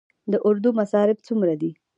د اردو مصارف څومره دي؟